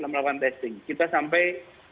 melakukan testing kita sampai